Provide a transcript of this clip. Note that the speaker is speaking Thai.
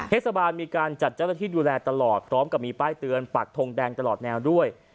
เทศบาลมีการจัดเจ้าหน้าที่ดูแลตลอดพร้อมกับมีป้ายเตือนปักทงแดงตลอดแนวด้วย